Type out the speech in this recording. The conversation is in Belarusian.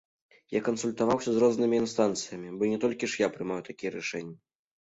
Я кансультаваўся з рознымі інстанцыямі, бо не толькі ж я прымаю такія рашэнні.